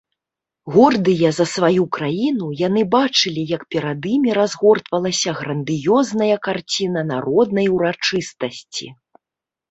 Гордыя за сваю краіну, яны бачылі, як перад імі разгортвалася грандыёзная карціна народнай урачыстасці.